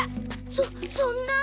そそんな。